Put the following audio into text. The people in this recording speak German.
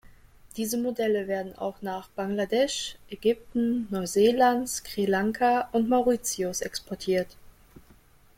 Diese Modelle werden auch nach Bangladesch, Ägypten, Neuseeland, Sri Lanka und Mauritius exportiert.